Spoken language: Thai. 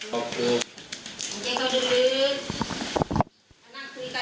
เฮ้เฮ